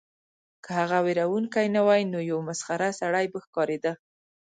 که هغه ویرونکی نه وای نو یو مسخره سړی به ښکاریده